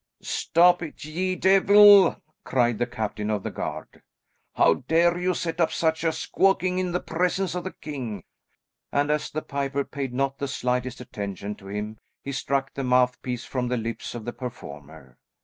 "Stop it, ye deevil!" cried the captain of the guard. "How dare you set up such a squawking in the presence of the king?" and as the piper paid not the slightest attention to him, he struck the mouth piece from the lips of the performer.